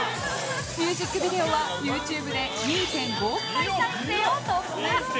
ミュージックビデオはＹｏｕＴｕｂｅで２．５億回再生を突破。